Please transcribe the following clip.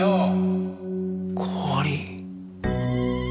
氷。